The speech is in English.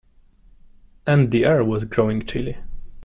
And the air was growing chilly.